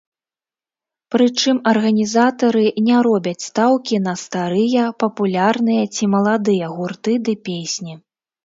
Прычым, арганізатары не робяць стаўкі на старыя, папулярныя ці маладыя гурты ды песні.